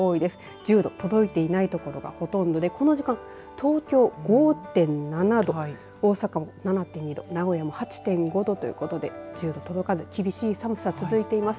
１０度、届いていない所がほとんどでこの時間、東京５．７度大阪も７．２度名古屋も８．５度ということで１０度に届かず厳しい寒さが続いています。